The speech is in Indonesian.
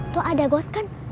tuh ada goth kan